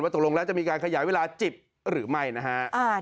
ตกลงแล้วจะมีการขยายเวลาจิบหรือไม่นะฮะ